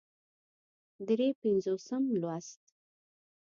درې پينځوسم لوست